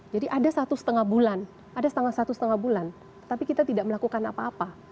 jadi ada satu setengah bulan ada setengah setengah bulan tapi kita tidak melakukan apa apa